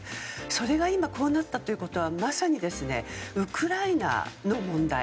それが今こうなったということはまさにウクライナの問題。